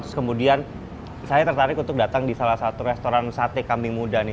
terus kemudian saya tertarik untuk datang di salah satu restoran sate kambing muda nih